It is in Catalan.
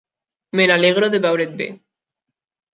Me n'alegro de veure't bé.